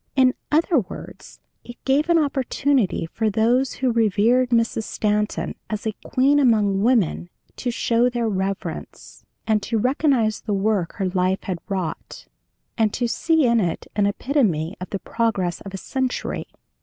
In other words, it gave an opportunity for those who revered Mrs. Stanton as a queen among women to show their reverence, and to recognize the work her life had wrought, and to see in it an epitome of the progress of a century.